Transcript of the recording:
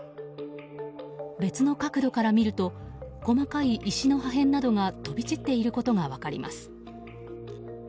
別の角度から見ると細かい石の破片などが飛び散っていることが分かります。